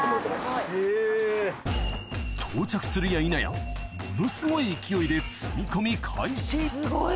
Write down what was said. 到着するや否やものすごい勢いで積み込み開始